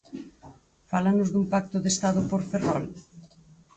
¿Fálanos dun pacto de Estado por Ferrol?